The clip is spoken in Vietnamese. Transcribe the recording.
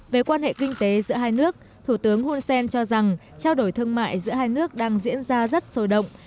về quan hệ kinh tế giữa hai nước thủ tướng hun sen cho rằng trao đổi thương mại giữa hai nước đang diễn ra rất sôi động